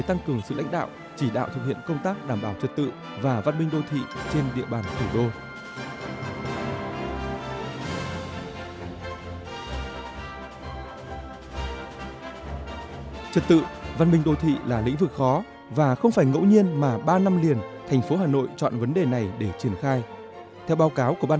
trong công tác đảm bảo trật tự văn minh đô thị vẫn còn không ít hạn chế bất cập